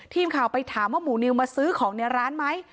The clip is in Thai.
ทีมข่าวไปถามว่าหมูนิวมาซื้อของในร้านไหม